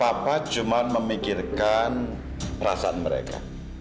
papa cuma memikirkan perasaan mereka